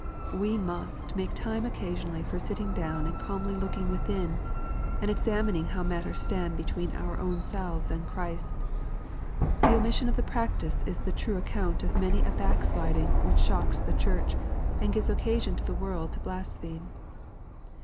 ^Qjmst make time occasionally for sitting down and calmly looking within, and examining how matters stand between our own selves and Christ. The omission of the practice is the true account of many a backsliding which shocks the Church, and gives occasion to the world to blas pheme.